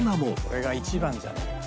これが１番じゃないかな。